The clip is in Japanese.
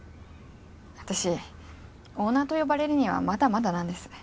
私オーナーと呼ばれるにはまだまだなんです。